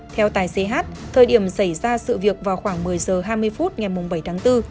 theo tài xế hát thời điểm xảy ra sự việc vào khoảng một mươi h hai mươi phút ngày bảy tháng bốn